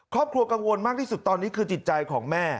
ครอบครัวกังวลมากที่สุดตอนนี้คือจิตใจของแม่